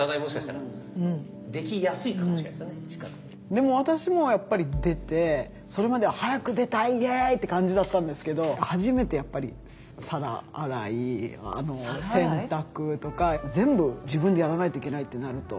でも私もやっぱり出てそれまでは「早く出たいイエイ！」って感じだったんですけど初めてやっぱり皿洗い洗濯とか全部自分でやらないといけないってなると。